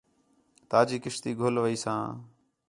تا جی کشتی گھل ویساں